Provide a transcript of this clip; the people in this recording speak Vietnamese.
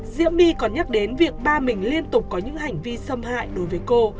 diễm my còn nhắc đến việc ba mình liên tục có những hành vi xâm hại đối với cô